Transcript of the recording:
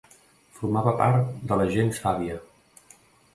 Formava part de la gens Fàbia.